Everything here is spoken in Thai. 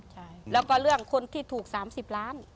ใช่แล้วก็เรื่องคนที่ถูก๓๐ล้าน